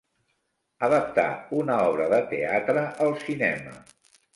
Adaptar una obra de teatre al cinema.